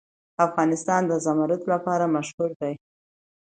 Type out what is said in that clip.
افغانستان د زمرد لپاره مشهور دی.